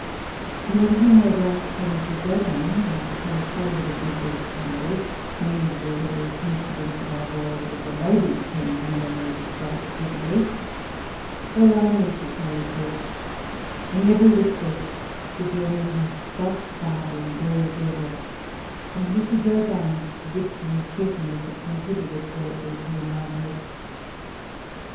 You will hear, no doubt, from Mrs. Irvine a correspondent of Mrs. Campbell's many of the little incidents of our voyage, which a lady's pen can only describe suitably. All I need say is that, in every respect, the journey has thus far been very agreeable, and Mrs. Irvine's wit and cheerfulness have con tributed greatly to enliven us.